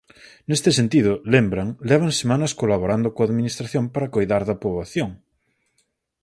Neste sentido, lembran, levan semanas colaborando coa Administración para coidar da poboación.